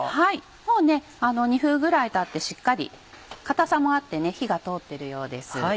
もう２分ぐらいたってしっかり硬さもあって火が通ってるようです。